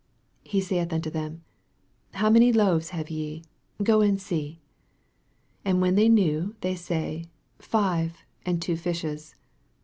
38 He saith unto them, How many loaves have ye ? go and see. And when they knew, they say, Five, and two fishes.